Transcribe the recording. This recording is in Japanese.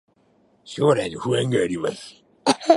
将来の不安があります